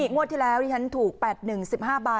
งวดที่แล้วที่ฉันถูก๘๑๑๕ใบ